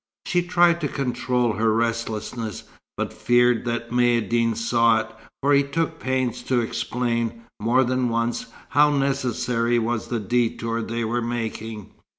She tried to control her restlessness, but feared that Maïeddine saw it, for he took pains to explain, more than once, how necessary was the detour they were making.